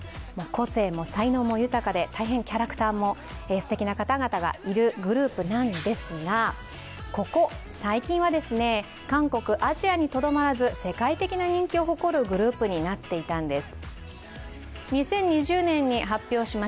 個性も才能も豊かで、大変キャラクターが素敵な方々がいるグループなんですが、ここ最近は韓国、アジアにとどまらず世界的な人気を誇るグループになっていたんです。